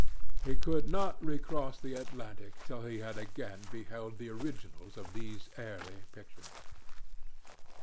He could not recross the Atlantic till he had again beheld the originals of those airy pictures.